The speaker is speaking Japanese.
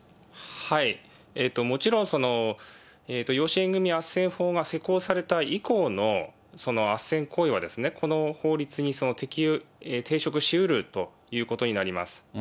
もちろん養子縁組あっせん法が施行された以降のあっせん行為は、この法律に抵触しうるということになります。